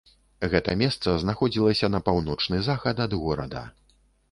Гэта месца знаходзіліся на паўночны захад ад горада.